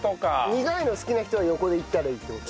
苦いの好きな人は横でいったらいいって事？